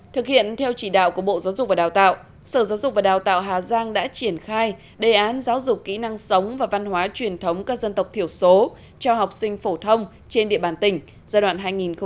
thực hiện theo chỉ đạo của bộ giáo dục và đào tạo sở giáo dục và đào tạo hà giang đã triển khai đề án giáo dục kỹ năng sống và văn hóa truyền thống các dân tộc thiểu số cho học sinh phổ thông trên địa bàn tỉnh giai đoạn hai nghìn một mươi chín hai nghìn hai mươi